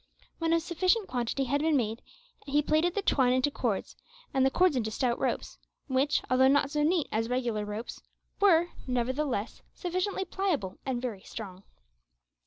When a sufficient quantity had been made he plaited the twine into cords, and the cords into stout ropes, which, although not so neat as regular ropes, were, nevertheless, sufficiently pliable and very strong.